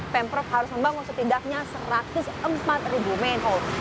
pemprov harus membangun setidaknya satu ratus empat manhole